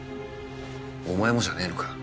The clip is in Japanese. お前もじゃねえのか？